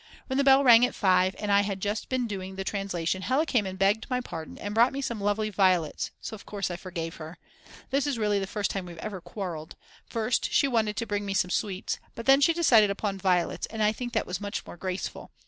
When the bell rang at 5 and I had just been doing the translation Hella came and begged my pardon and brought me some lovely violets, so of course I forgave her. This is really the first time we've ever quarrelled. First she wanted to bring me some sweets, but then she decided upon violets, and I think that was much more graceful.